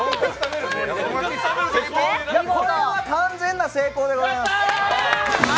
これは完全な成功でございます。